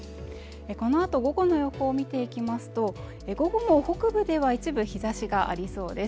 このあと午後の予報を見ていきますと午後も北部では一部日差しがありそうです。